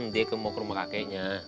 dia kemau ke rumah kakenya